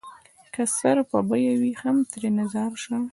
که سر په بيه وي هم ترېنه ځار شــــــــــــــــــه